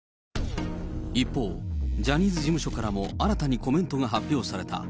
一方、ジャニーズ事務所からも新たにコメントが発表された。